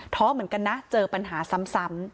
ท้อเหมือนกันนะเจอปัญหาซ้ำ